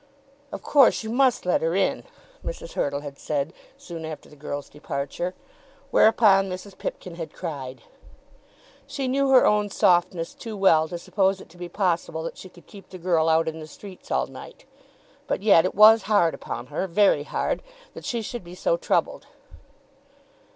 "Of course you must let her in," Mrs. Hurtle had said soon after the girl's departure. Whereupon Mrs. Pipkin had cried. She knew her own softness too well to suppose it to be possible that she could keep the girl out in the streets all night; but yet it was hard upon her, very hard, that she should be so troubled.